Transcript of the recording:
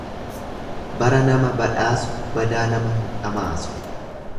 Bara nama badhaasu badaa nama hin dhamaasu.